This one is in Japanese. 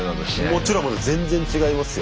もちろん全然違いますよ。